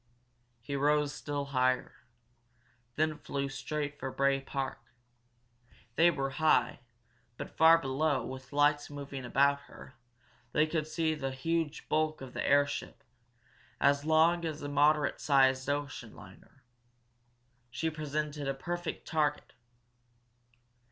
He rose still higher, then flew straight for Bray Park. They were high, but, far below, with lights moving about her, they could see the huge bulk of the airship, as long as a moderate sized ocean liner. She presented a perfect target.